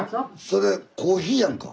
それコーヒーやんか。